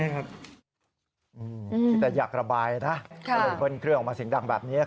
ค่ะโดยเบิ่นเครื่องออกมาสิ่งดังแบบนี้